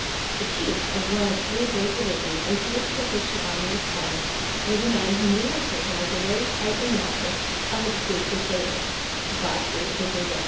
The chief of one of three great divisions into which the Christian army was formed was a man whom we have taken as the very type and model of a true Crusader, Godfrey de Bouillon. [Illustration: Godfrey de Bouillon.